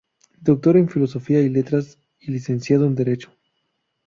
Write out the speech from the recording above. Doctor en Filosofía y Letras y licenciado en Derecho.